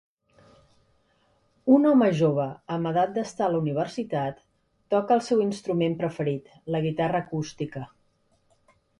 Un home jove amb edat d'estar a la universitat toca el seu instrument preferit: la guitarra acústica.